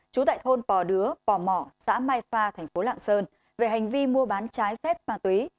trú tại thôn pò đứa pò mò xã mai pha thành phố lạng sơn về hành vi mua bán trái phép ma túy